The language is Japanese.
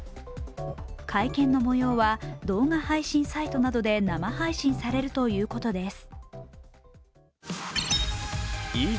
会見の模様は動画配信サイトなどで生配信されるということです。